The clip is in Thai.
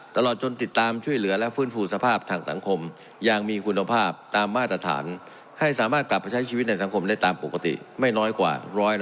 ตลอดจนติดตามช่วยเหลือและฟื้นฟูสภาพทางสังคมอย่างมีคุณภาพตามมาตรฐานให้สามารถกลับไปใช้ชีวิตในสังคมได้ตามปกติไม่น้อยกว่า๑๕